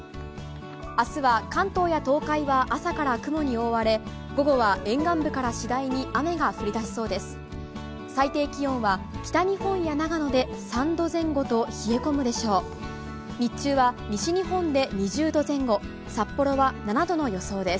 明日は、関東や東海は朝から雲に覆われ午後は、沿岸部から次第に雨が降り出しそうです。